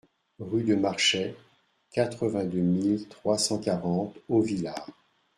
Rue de Marchet, quatre-vingt-deux mille trois cent quarante Auvillar